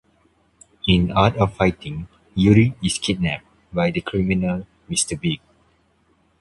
In "Art of Fighting", Yuri is kidnapped by the criminal Mr. Big.